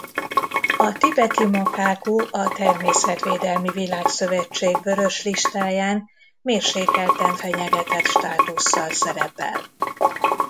A tibeti makákó a Természetvédelmi Világszövetség Vörös listáján mérsékelten fenyegetett státusszal szerepel.